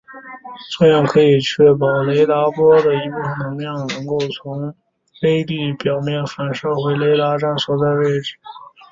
这样可以确保雷达波的一部分能量能够从微粒表面反射回雷达站所在方向。